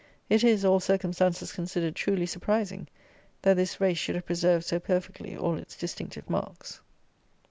It is, all circumstances considered, truly surprising, that this race should have preserved so perfectly all its distinctive marks.